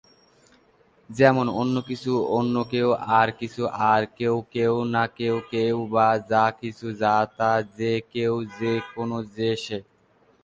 যেমন- অন্য-কিছু, অন্য-কেউ, আর-কিছু, আর-কেউ, কেউ-না-কেউ, কেউ-বা, যা-কিছু, যা-তা, যে-কেউ, যে-কোন, যে-সে।